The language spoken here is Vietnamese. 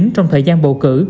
trong thời gian bầu cử